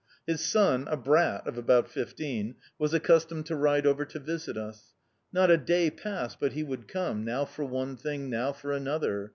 His son, a brat of about fifteen, was accustomed to ride over to visit us. Not a day passed but he would come, now for one thing, now for another.